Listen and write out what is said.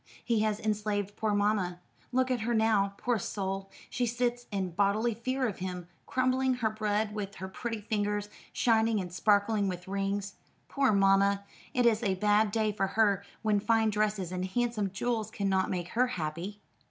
He has enslaved poor mamma. Look at her now, poor soul; she sits in bodily fear of him, crumbling her bread with her pretty fingers, shining and sparkling with rings. Poor mamma! it is a bad day for her when fine dresses and handsome jewels cannot make her happy."